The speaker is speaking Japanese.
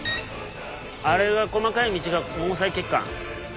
あれが細かい道が毛細血管。